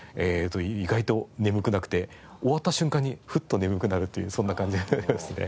意外と眠くなくて終わった瞬間にフッと眠くなるというそんな感じがありますね。